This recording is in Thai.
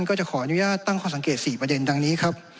ก็จะขออนุญาตตั้งข้อสังเกต๔ประเด็นดังนี้ครับ